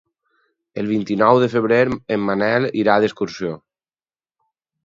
El vint-i-nou de febrer en Manel irà d'excursió.